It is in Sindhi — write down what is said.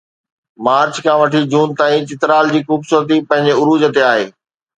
مارچ کان وٺي جون تائين چترال جي خوبصورتي پنهنجي عروج تي آهي